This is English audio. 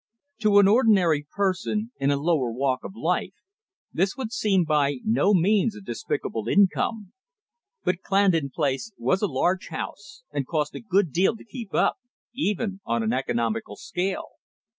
To an ordinary person, in a lower walk of life, this would seem by no means a despicable income. But Clandon Place was a large house, and cost a good deal to keep up, even on an economical scale.